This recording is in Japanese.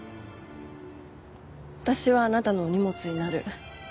私はあなたのお荷物になる。